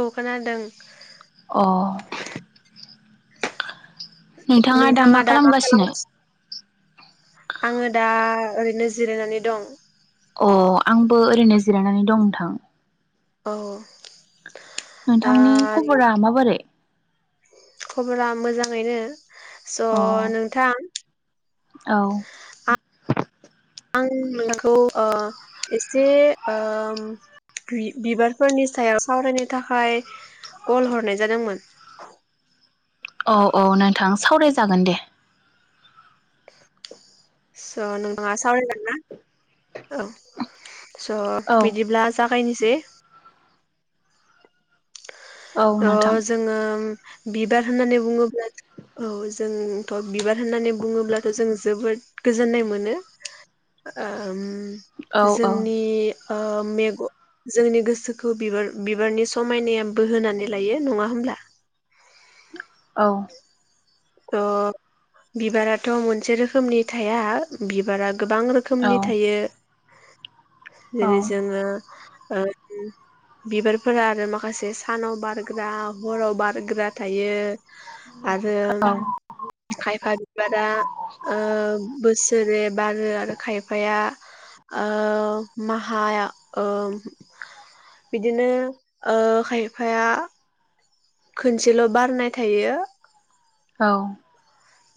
औ खोनादों अ नोंथाङा दा मा खालामगासिनो? आङो दा ओरैनो जिरायनानै दं। अ आंबो ओरैनो जिरायनानै दं नोंथां। औ। दा नोंथांनि खबरा माबोरै? खबरा मोजाङैनो स अ नोंथां औ [inaudible] आं नोंखौ ओ एसे ओम बिबारफोरनि सायाव सावरायनो थाखाय कल हरनाय जादोंमोन औ औ नोंथां सावरायजागोन दे स नोंथाङा सावरायगोनना औ स औ बिदिब्ला जा गायनिसै [inaudible] औ अ नोंथां जोङो बिबार होननानै बुङोब्ला औ जोंथ बिबार होननानै बुङोब्लाथ जों जोबोद गोजोननाय मोनो ओम औ औ जोंनि ओ मेग जोंनि गोसोखौ बिबार बिबारनि समायनाया बोहोनानै लायो नङा होमब्ला औ अ बिबाराथ मोनसे रोखोमनि थाया बिबारा गोबां औ रोखोमनि थायो औ जेरै जोङो ओ बिबारफोरा आरो माखासे सानाव बारग्रा हराव बारग्रा थायो आरो औ खायफा बिबारा ओ बोस- रै बारो आरो खायफाया ओ माहायाव ओ बिदिनो ओ खायफाया खोनसेल बारनाय थायो अ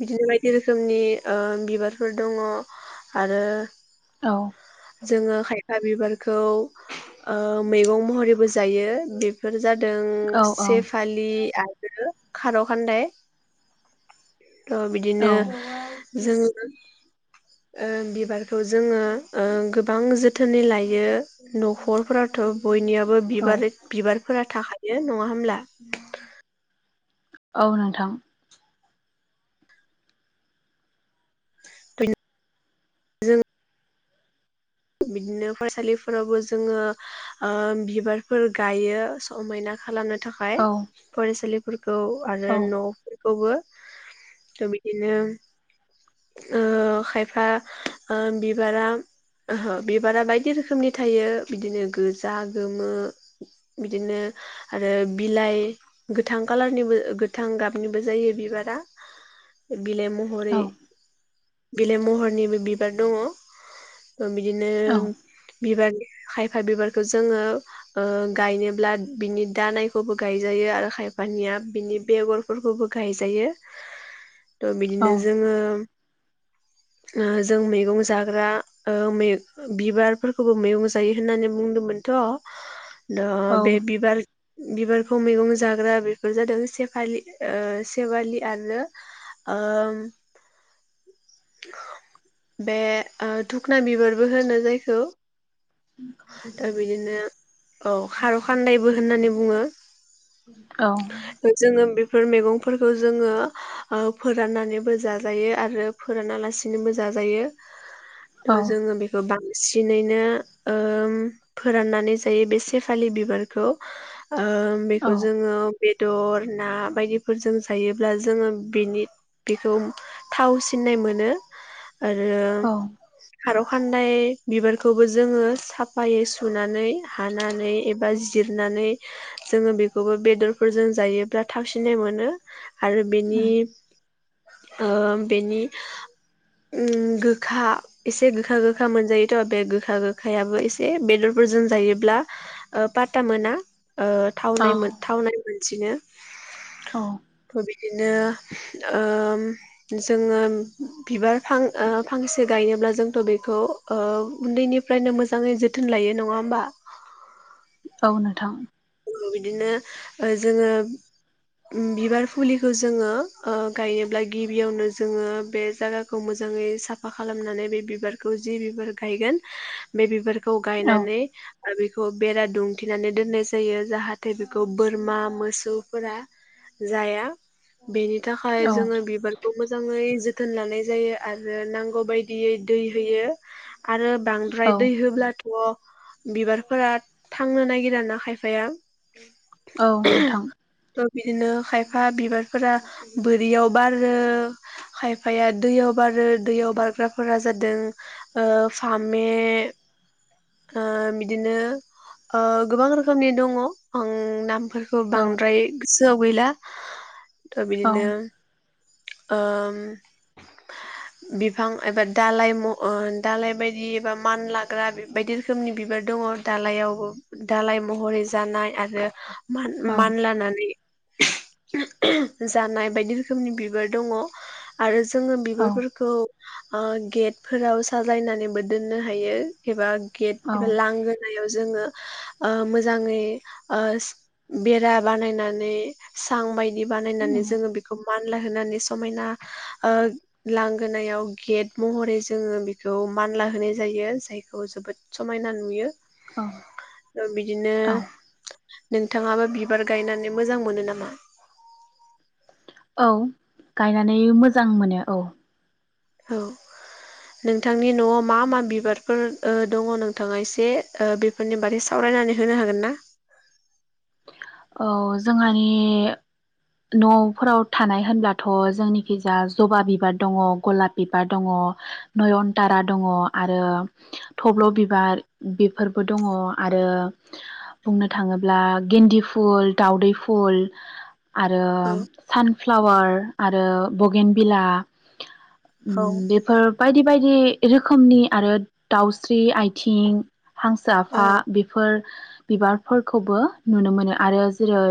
बिदिनो बायदि रोखोमनि ओ बिबारफोर दङ आरो औ जोङो खायफा बिबारखौ ओ मैगं महरैबो जायो बेफोर जादों औ सेफालि आ- रो खार खान्दाय बिदिनो औ जोङो ओ बिबारखौ जोङो ओ गोबां जोथोनै लायो नखरफोराथ बयनियाबो औ बिबार बिबार फोरा थाखायो नङा होमब्ला औ नोंथां जों बिदिनो फरायसालिफोरावबो जोङो ओ बिबारफोर गायो समायना खालामनानै औ फरायसालि औ आरो औ न खौबो बिदिनो खायफा बिबारा ओहो बिबारा बायदि रोखोमनि थायो बिदिनो गोजा गोमो बिदिनो आरो बिलाइ गोथां कालारनिबो गोथां गाबनिबो जायो बिबारा बिलाइ औ महरै बिलाइ महरनिबो बिबार दङ बिदिनो औ बिबार खायफा बिबारखौ जोंङो गायनोब्ला बिनि दानायखौबो गायजायो आरो खायफानिया बिनि बेगरफोरखौबो गायजायो थह औ बिदिनो जोंङो जों मैगं जाग्रा मै बिबारफोरखौबो मैगं जायो होननानै बुंदोंमोनथ' द औ बे बिबार बिबारखौ मैगं जाग्रा बेफोर जादों सेफालि सेवालि आरो बे दधुखना बिबारबो होनो जायखौ दा बिदिनो औ खार' खान्दायबो होननानै बुंङो औ बेफोर मैगंफोरखौ जोंङो फोराननानैबो जाजायो आरो फोरानालासिनोबो जाजायो औ थह जोंङो बेखौ बांसिन सिनैनो फोराननानै जायो बे सेफालि बिबारखौ बेखौ जोंङो बेदर ना बायदिफोरजों जायोब्ला जोंङो बेनि बेखौ थाव सिननाय मोनो। आरो औ फारौ खान्दाय बिबारखौबो जोंङो साफायै सुनानै हानानै एबा जिरनानै जोंङो बेखौबो बेदरफोरजों जायोब्ला थाबसिनाय मोनो। आरो बेनि ओ बेनि ओम गोखा एसे गोखा गोखा मोनजायोथ' बे गोखा गोखा आखायाबो एसे बेदरफोरजों जायोब्ला ओ पाता मोना। ओ थावनाय थावनायमोन। बिदिनो औ। बिदिनो ओम जोंङो बिबार फां ओ फांसे गायनोब्ला जोंथ' बेखौ उन्दैनि फ्रायनो मोजांङै जोथोन लायो नंङा होमबा? औ नोथां। ओ बिदिनो जोङो बिबार फुलि जोंङो ओ गायोब्ला गिबियावनो जोंङो बे जागाखौ मोजाङै साफा खालामनानै बे बिबारखौ जि बिबार गायगोन बे बिबार खौ गायनानै आरो बेखौ बेरा दुंथेनानै दोनाय जायो जाहाथे बेखौ बोरमा मोसौफोरा जाया। बेनि औ थाखाय जोङो औ बिबारखौ मोजाङै जोथ जोथोन लानाय जायो आरो नांगौ बायदियै दै होयो। आरो बांद्राय औ दै होब्लाथ व बिबारफोरा थांनो नागिरा ना खायफ फाया। औ नोंथां। बिदिनो खायफा बिबारफोरा बोरियाव बारो खायफाया दैयाव बारो दैयाव बारग्राफोरा जादों ओ फामे ओ बिदिनो ओ गोबां रोखोम खोमनि दङ आं नाम फोरखौ औ बांद्राय सोआव गैला। थ औ बिदिनो ओ बिफां एबा दालाय म ओ दालाय बायदि एबा मान लाग्रा बायदि रोखोमनि बिबार दङ दालायावबो दालाइ महरै जानाय आरो मान औ मानलानानै जानाय बायदि रोखोमनि बिबार दङ आरो जोङो औ बिबारफोरखौ ओ गेटफोराव साजायनानैबो दोननो हायो एबा गेटबो लांगोन गोनायाव जोङो ओ मोज मोजाङै ओ बेरा बानायनानै सां बाय बानायनानै जोङो बेखौ मान मानला होनानै समायना लांगोनायाव गेट महरै जोङो बेखौ मानला होनाय जायो जायखौ जोबोद समायना नुयो औ द बि बिदिनो औ नोंथाङाबो बिबार गायनानै मोजां मोनो नामा औ गायनानै मोजां मोनो औ औ नोंथांनि न'आव मा मा बिबारफोर दङ नोंथाङा एसे बेफोरनि बार सावरायनानै होनो हागोन ना औ जोंहानि न'फोराव थानाय होनब्लाथ' जोंनिखि जा जबा बिबार दङ गलाब बिबार दङ नयनतारा दङ आरो थब्ल' बिबार बेफोरबो दङ आरो बुंनो थाङोब्ला गेन्दि फुल दाउदै फुल आरो औ सान फ्लावार आरो बगेन बिला औ बेफोर बायदि बेबायदि रोखोमनि आरो दाउस्रि आइथिं हांसो औ आफा बेफोर बिबारफोरखौबो नुनो मोनो आरो जेरै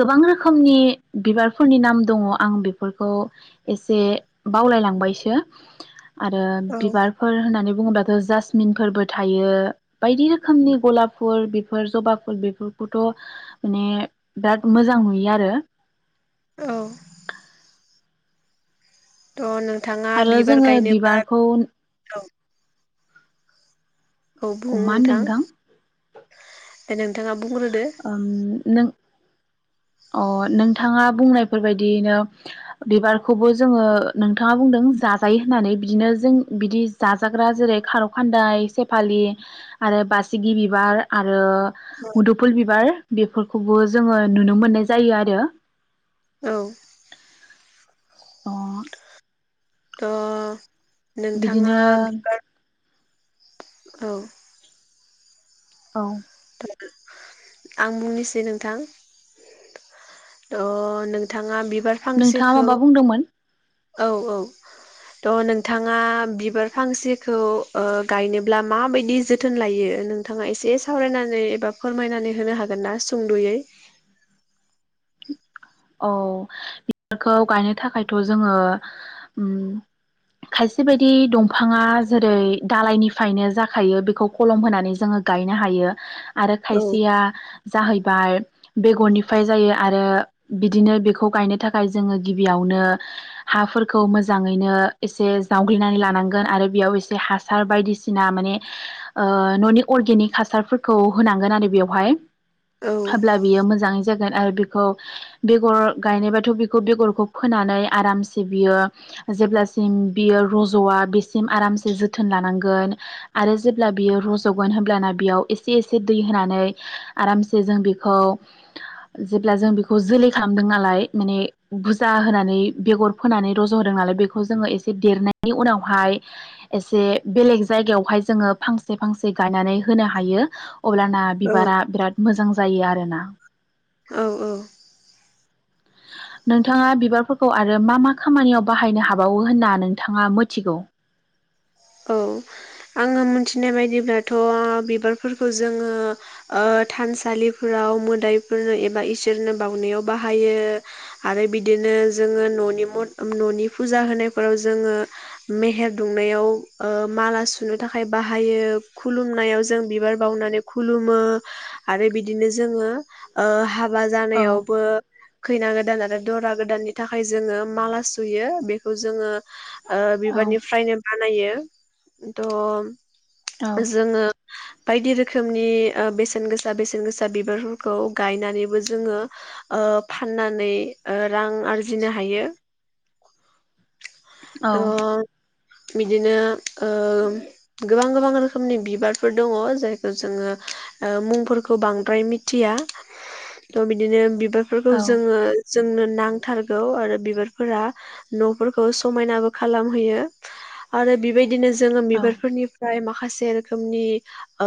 गोबां ओम रोखोमनि बिबारफोरनि नाम दङ आं बेफोरखौ एसे बावलायलांबायसो आरो औ बिबारफोर होननानै बुबाथ' जासमिनफोरबो थायो बायदि रो खोमनि गलाब फुल बेफोर जबा फुल बेफोरखौथ' माने बिराद मोजां नुयो आरो औ थ नों थाङा आरो बिबार जोङो गायनोब्ला बिबारखौ औ औ बुं मा होनदों नोंथां दे नोंथाङा बुंग्रोदो ओं नों अ नोंथाङा बुंनायफोरबायदियैनो बिबारखौबो जोङो नोंथाङा बुंदों जाजायो होननानै बिदिनो जों बिदि जाजाग्रा जेरै खार' खान्दाय सेफालि आरो बासिगि बिबार आरो मुदुफुल बिबार बेफोरखौबो जोङो नुनो मोननाय जायो आरो औ अ थ' नोंथाङा बिदिनो बिबार औ औ आं बुंनोसै नोंथां त नोंथाङा बि नोंथाङा माबा बुंदोंमोन? औ औ थ नोंथाङा बिबार फांसेखौ ओ गायनोब्ला माबायदि जोथोन लायो नोंथाङा एसे सावरायनानै एबा फोरमायनानै होनो हागोन ना सुंद'यै? औ बिबारखौ गायनो थाखायथ' जोङो उम खायसे बायदि दंफाङा जेरै दालायनिफ्रायनो जाखायो बेखौ खलम होनानै जोङो गायनो हायो। आरो औ खायसेया जाहैबाय बेगरनिफ्राय जायो आरो बिदिनो बेखौ गायनो थाखाय जोङो गिबियावनो हाफोरखौ मोजाङैनो एसे जावग्लिनानै लानांगोन आरो बेयाव एसे हासार बायदिसिना माने ओ न'नि अर्गेनिक हासारफोरखौ होनांगोन आरो बेवहाय औ होब्ला बियो मोजाङै जागोन आरो बेखौ बेगर गायनायबाथ' बेखौ बेगरखौ फोनानै आरामसे बियो जेब्लासिम बियो रज'आ बेसिम आरामसे जोथोन लानांगोन आरो जेब्ला बियो रज'गोन हब्लाना बेयाव एसे एसे दै होनानै आरामसे जों बेखौ जेब्ला जों बेखो खौ जोलै खालामदों नालाय माने बुरजा होनानै बेगर फोनानै रज' होदों नालाय बेखौ जोङो एसे देरनायनि उनावहाय एसे बेलेग जायगायावहाय जोङो फांसे फांसे गायनानै होनो हायो। अब्लाना औ बिबारा बिराद मोजां जायो आरोना। औ औ। नोंथाङा बिबारफोरखौ आरो मा मा खामानियाव बाहायनो हाबावो होनना नोंथाङा मिथिगौ? औ आङो मोनथिनाय बायदिब्लाथ' बिबारफोरखौ जोङो ओ थानसालिफोराव मोदायफोरनो एबा इसोरनो बाउनायाव बाहायो आरो बिदिनो जोङो न'नि मन न'नि फुजा होनायफोराव जोङो मेहेर दुंनायाव ओ माला सुनो थाखाय बाहायो खुलुमनायाव जों बिबार बावनानै खुलुमो आरो बिदिनो जोङो ओ हा हाबा औ जानायावबो खैना गोदान आरो दरा गोदाननि थाखाय जोङो माला सुयो बेखौ जोङो ओ औ बिबारनिफ्रायनो बा नायो। द'। औ जोङो। बायदि रोखोमनि ओ बेसेन गोसा बेसेन गोसा बिबारफोरखौ गायनानैबो जोङो ओ फाननानै ओ रां आरजिनो हायो। औ थह बिदिनो ओ गोबां-गोबां रोखोमनि बिबारफोर दङ जायखौ जोङो ओ मुंफोरखौ बांद्राय मिथिया थ' बिदिनो बिबारफोरखौ औ जोङो जोंनो नांथारगौ आरो बिबारफोरा न'फोरखौ समायनाबो खालामहैयो आरो बिबाय दिनो जो जोङो औ बिबारफोरनिफ्राय माखा खासे रोखोमनि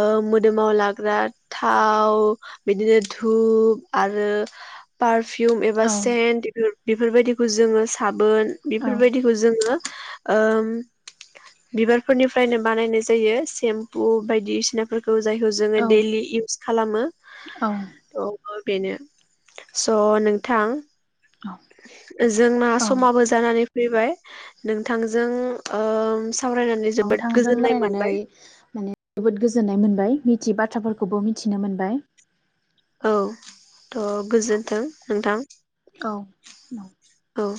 ओ मोदोमाव लाग्रा थाव बिदिनो धुप आरो फार फिउम एबा औ सेन्ट बेफोरबायदिखौ जोङो साब बोन बेफोरबायदिखौ जोङो ओम बिबारफोरनिफ्रायनो बानायनाय जायो सेम्पु बायदिसिना फोरखौ जायखौ जोङो डेलि इउस खालामो औ थह बेनो स' नोंथां औ जोंना औ समाबो जानानै फैबाय नोंथांजों ओ सावरायनानै जोबोद नोंथांजों गोजोननाय मोनबाय रायलायनानै माने जोबोद गोजोननाय मोन बाय मिथियै बाथ्राफोरखौबो मिथिनो मोनबाय। औ थ' गोजोन्थों नोंथां औ औ औ।